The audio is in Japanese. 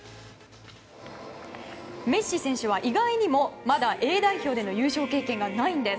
メッシ選手は意外にも、まだＡ代表での優勝経験がないんです。